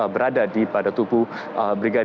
berada di pada tubuh brigadir